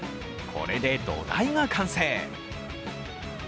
これで土台が完成。